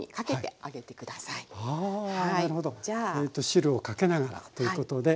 汁をかけながらということで。